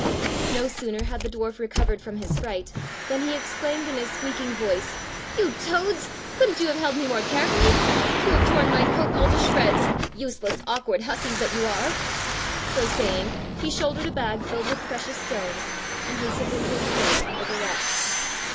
No sooner had the dwarf recovered from his fright than he exclaimed in his squeaking voice: "'You toads! could n't you have held me more carefully.^ You have torn my coat all to shreds, useless, awkward hussies that you are!" So saying, he shouldered a bag fllled with precious stones and hastened into his cave under the rocks.